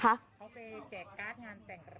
เขาไปแจกการ์ดงานแต่งอะไร